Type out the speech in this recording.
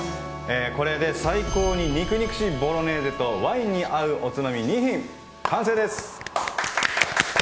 これで最高に肉々しいボロネーゼとワインに合うおつまみ２品、完成です！